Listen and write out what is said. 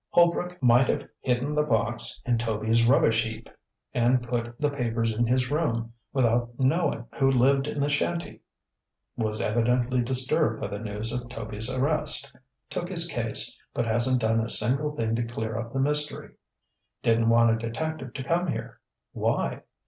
Holbrook might have hidden the box in Toby's rubbish heap and put the papers in his room without knowing who lived in the shanty. Was evidently disturbed by the news of Toby's arrest. Took his case, but hasn't done a single thing to clear up the mystery. Didn't want a detective to come here. Why?